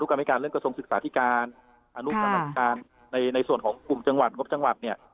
การให้การเรื่องกระทรวงศึกษาธิการอนุกรรมธิการในส่วนของกลุ่มจังหวัดงบจังหวัดเนี่ย